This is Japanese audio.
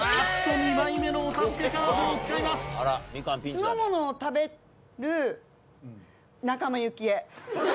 酢の物を食べる仲間由紀恵。